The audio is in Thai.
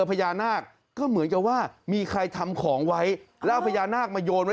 พญานาคก็เหมือนกับว่ามีใครทำของไว้แล้วเอาพญานาคมาโยนไว้